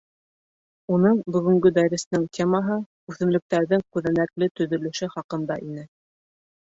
Уның бөгөнгө дәресенең темаһы үҫемлектәрҙең күҙәнәкле төҙөлөшө хаҡында ине.